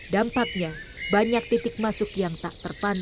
dampaknya banyak titik masuk yang tak terpantau